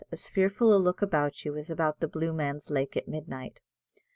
as fearful a look about you as about the Blue Man's Lake at midnight.